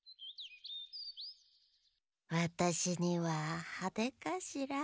わたしにははでかしら。